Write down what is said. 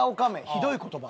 ひどい言葉。